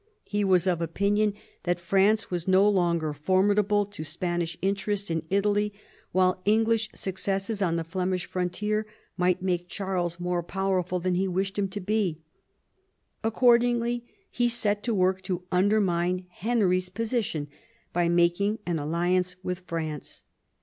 He was of opinion that France was no longer formidable to Spanish interests in Italy, while English successes on the Flemish frontier might make Charles more powerful than he wished him to be. Accordingly he set to work to undermine Henry's position by mafang an alliance with France.